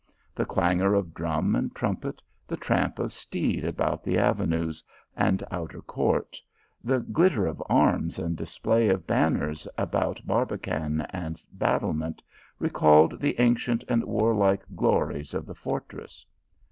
The clangour of drum and trumpet, th tramp of steed about the avenues and outer court, the glittei of arms and dis play of banners about barbican and battlement, re called the ancient and walike glories of the fortress.